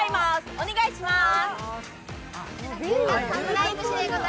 お願いします。